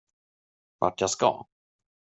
Vart jag ska?